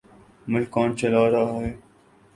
ملک کون چلا رہا ہے؟